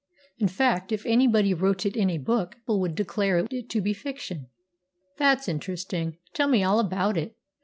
In fact, if anybody wrote it in a book people would declare it to be fiction." "That's interesting! Tell me all about it.